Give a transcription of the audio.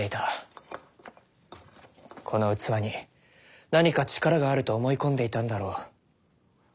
この器に何か力があると思い込んでいたんだろう。